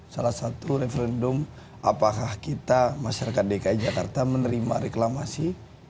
salah satu referendum apakah kita masyarakat dki jakarta menerima reklamasi